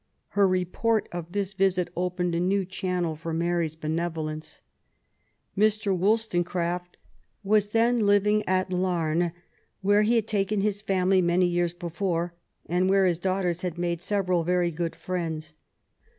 Her report of this visit opened a new channel for Mary's benevolence. Mr. Wollstonecraft was then living at Laughamc^ where he had taken his family many years before^ and where his daughters had made several very good friends.